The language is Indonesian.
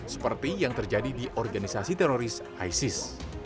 seperti yang terjadi di organisasi teroris isis